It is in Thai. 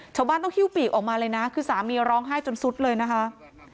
ชาวกอบ้านต้องที่เลือกออกมาเลยนะคะคือสามีร้องไห้จนซุดเลยนะคะ